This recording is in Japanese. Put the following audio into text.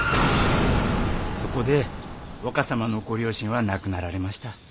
そこで若様のご両親は亡くなられました。